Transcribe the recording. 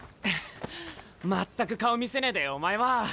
全く顔見せねえでお前は！